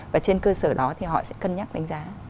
và trên cơ sở đó thì họ sẽ cân nhắc đánh giá